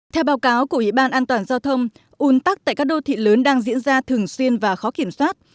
theo báo cáo của ủy ban an toàn giao thông un tắc tại các đô thị lớn đang diễn ra thường xuyên và khó kiểm soát